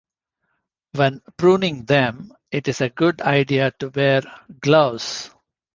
When pruning them, it is a good idea to wear gloves.